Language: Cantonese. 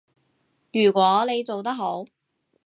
如果你做得好